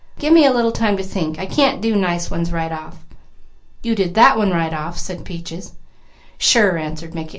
Gimme a little time to think. I can't do nice ones right off." "You did that one right off," said Peaches. "Sure!" answered Mickey.